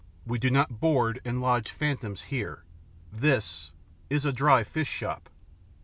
We do not board and lodge phantoms here; this is a dry fish shop."